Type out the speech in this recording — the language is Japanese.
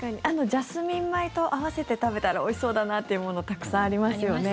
ジャスミン米と合わせて食べたらおいしそうだなってものありますね。